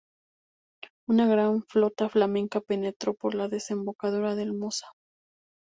Una gran flota flamenca penetró por la desembocadura del Mosa.